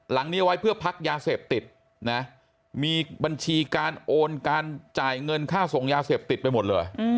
หลังนี้ไว้เพื่อพักยาเสพติดนะมีบัญชีการโอนการจ่ายเงินค่าส่งยาเสพติดไปหมดเลย